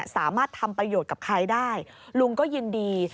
สามารถทำประโยชน์กับใครได้ลุงก็ยินดี